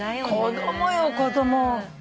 子供よ子供。